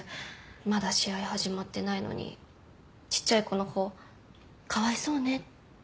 まだ試合始まってないのにちっちゃい子の方「かわいそうね」